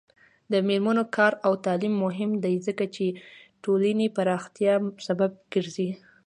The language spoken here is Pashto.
د میرمنو کار او تعلیم مهم دی ځکه چې ټولنې پراختیا سبب ګرځي.